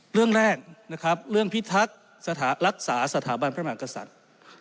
เรื่องแรกนะครับเรื่องพิทักษ์รักษาสถาบันพระมหากษัตริย์